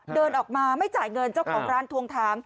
เดินออกมาไม่จ่ายเงินเจ้าของร้านทวงถาม